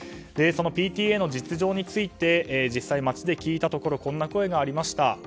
そのＰＴＡの実情について実際、街で聞いたところこんな声がありました。